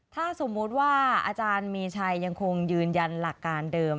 ถ้าสมมุติว่าอาจารย์มีชัยยังคงยืนยันหลักการเดิม